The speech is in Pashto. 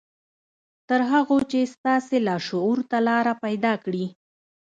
تر هغو چې ستاسې لاشعور ته لاره پيدا کړي.